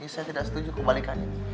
saya tidak setuju kebalikan ini